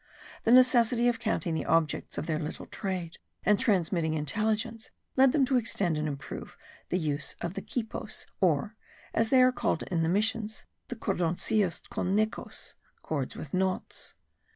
The necessity of counting the objects of their little trade, and transmitting intelligence, led them to extend and improve the use of the quipos, or, as they are called in the missions, the cordoncillos con necos (cords with knots).